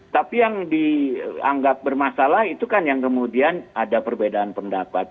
tapi yang dianggap bermasalah itu kan yang kemudian ada perbedaan pendapat